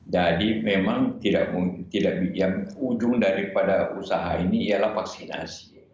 jadi memang tidak yang ujung daripada usaha ini ialah vaksinasi